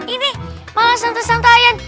ini nasenya tersantai santaiin